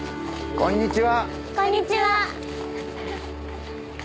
こんにちは。